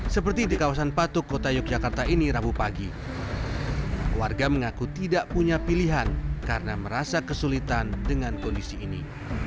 seperti di kawasan patuk kota yogyakarta ini rabu pagi warga mengaku tidak punya pilihan karena merasa kesulitan dengan kondisi ini